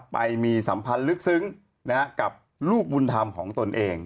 ไปมีสัมพันธ์ลึกซึ้งกับลูกบุญธรรมของตนเอง